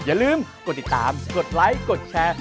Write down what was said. อย่าลืมกดติดตามกดไลค์กดแชร์